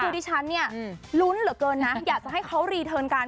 คือดิฉันเนี่ยลุ้นเหลือเกินนะอยากจะให้เขารีเทิร์นกัน